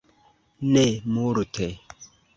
Ne multe.